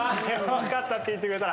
よかったって言ってくれた。